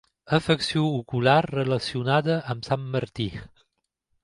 Afecció ocular relacionada amb sant Martí.